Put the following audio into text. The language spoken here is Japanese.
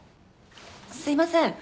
すいません。